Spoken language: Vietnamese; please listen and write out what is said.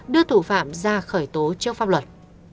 đưa thủ phạm ra khởi tố trước pháp luật